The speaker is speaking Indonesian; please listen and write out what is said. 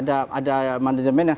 ada manajemen yang